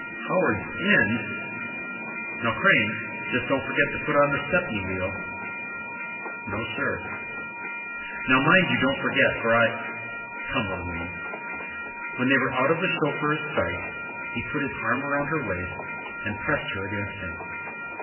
"Howards End? Now, Crane, just don't forget to put on the Stepney wheel." "No, sir." "Now, mind you don't forget, for I Come, little woman." When they were out of the chauffeur's sight he put his arm around her waist and pressed her against him.